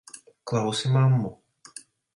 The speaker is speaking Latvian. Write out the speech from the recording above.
Klausi mammu!